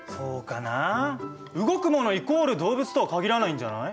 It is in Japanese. イコール動物とは限らないんじゃない？